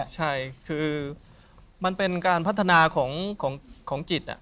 ใช่คือมันเป็นการพัฒนาของจิต